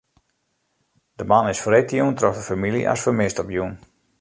De man is freedtejûn troch de famylje as fermist opjûn.